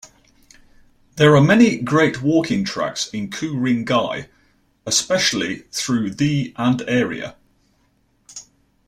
There are many great walking tracks in Ku-ring-gai, especially through the and area.